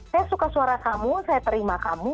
saya suka suara kamu saya terima kamu